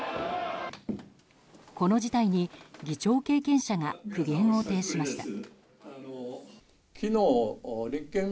この事態に議長経験者が苦言を呈しました。